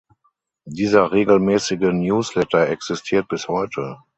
Dieser regelmäßige Newsletter existiert bis heute.